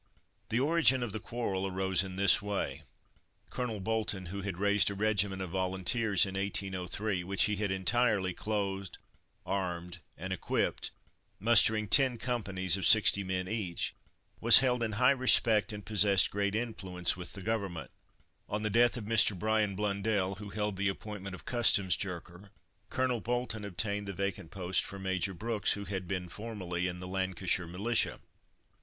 The origin of the quarrel arose in this way: Colonel Bolton, who had raised a regiment of volunteers, in 1803, which he had entirely clothed, armed, and equipped, mustering ten companies of sixty men each, was held in high respect and possessed great influence with government. On the death of Mr. Bryan Blundell, who held the appointment of Customs Jerker, Colonel Bolton obtained the vacant office for Major Brooks, who had been formerly in the Lancashire Militia.